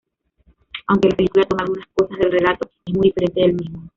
Aunque la película toma algunas cosas del relato, es muy diferente del mismo.